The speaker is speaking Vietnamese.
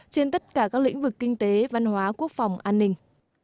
trên tất cả các lĩnh vực kinh tế văn hóa quốc phòng an ninh